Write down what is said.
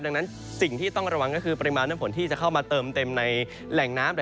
ดังนั้นสิ่งที่ต้องระวังก็คือปริมาณน้ำฝนที่จะเข้ามาเติมเต็มในแหล่งน้ำ